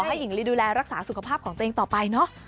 ให้หญิงลีดูแลรักษาสุขภาพของตัวเองต่อไปเนอะ